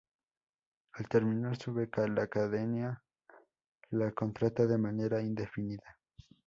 Al terminar su beca, la cadena la contrata de manera indefinida.